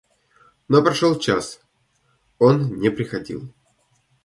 Но прошел час, он не приходил.